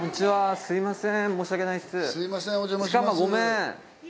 すいません。